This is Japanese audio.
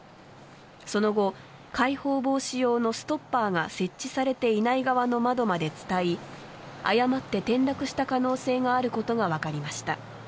その後開放防止用のストッパーが設置されていない側の窓まで伝い誤って転落した可能性があることがわかりました。